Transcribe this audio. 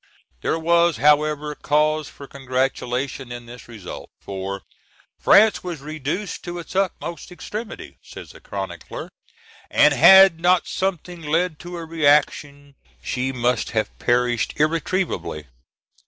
There was, however, cause for congratulation in this result, for "France was reduced to its utmost extremity," says a chronicler, "and had not something led to a reaction, she must have perished irretrievably."